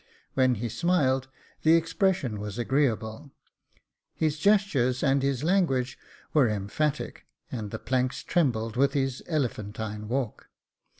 "When he smiled, the expression was agreeable. His gestures and his language were Jacob Faithful ^^$ emphatic, and the planks trembled with his elephantine walk.